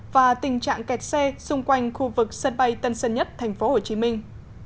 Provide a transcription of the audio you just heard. và tình trạng kẹt xe xung quanh khu vực sân bay tân sơn nhất thành phố hồ chí minh